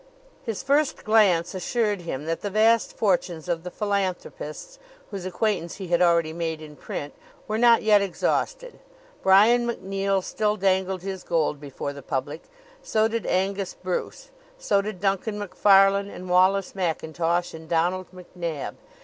His first glance assured him that the vast fortunes of the philanthropists, whose acquaintance he had already made in print, were not yet exhausted. Brian MacNeill still dangled his gold before the public; so did Angus Bruce; so did Duncan Macfarlane and Wallace Mackintosh and Donald MacNab.